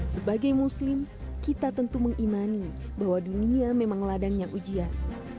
sebagai muslim kita tentu mengimani bahwa dunia memang ladangnya ujian